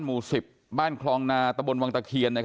หมู่๑๐บ้านคลองนาตะบนวังตะเคียน